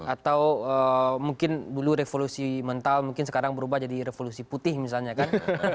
atau mungkin dulu revolusi mental mungkin sekarang berubah jadi revolusi putih misalnya kan